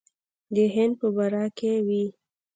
د هند په باره کې وې.